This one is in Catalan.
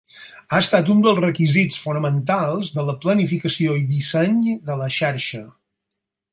Ha estat un dels requisits fonamentals de la planificació i disseny de la xarxa.